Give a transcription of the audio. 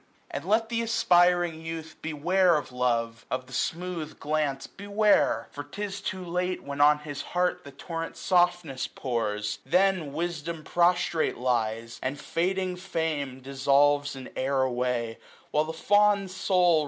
And let th* aspiring youth beware of love, 980 Of the smooth glance beware ; for 'tis too late. When on his heart the torrent softness pours ; Then wisdom prostrate lies, and fading fame Dissolves in air away ; while the fond soul.